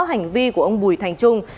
hành vi của ông bùi thành trung